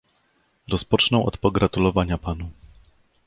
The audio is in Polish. Rozpocznę od pogratulowania panu